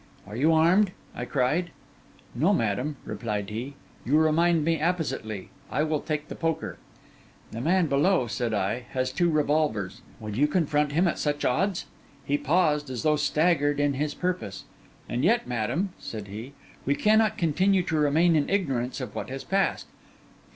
'Are you armed?' I cried. 'No, madam,' replied he. 'You remind me appositely; I will take the poker.' 'The man below,' said I, 'has two revolvers. Would you confront him at such odds?' He paused, as though staggered in his purpose. 'And yet, madam,' said he, 'we cannot continue to remain in ignorance of what has passed.